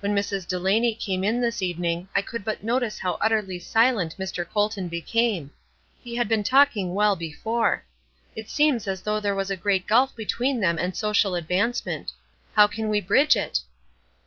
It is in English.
When Mrs. Delaney came in this evening I could but notice how utterly silent Mr. Colton became; he had been talking well before. It seems as though there was a great gulf between them and social advancement. How can we bridge it?"